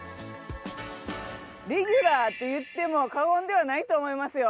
レギュラーといっても過言ではないと思いますよ。